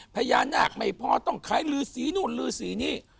พญานาคไม่พอต้องขายลือสีนู่นลือสีนี้